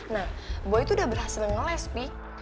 nah boy tuh udah berhasil ngelespi